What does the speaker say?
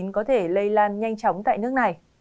có thể lây lan nhanh chóng tại nước này